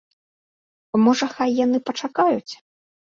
Можа, хай яны пачакаюць?